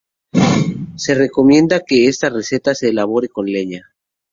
Se recomienda que esta receta se elabore con leña.